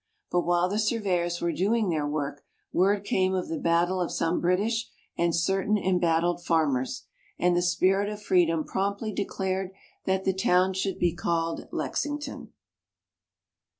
But while the surveyors were doing their work, word came of the battle of some British and certain embattled farmers, and the spirit of freedom promptly declared that the town should be called Lexington.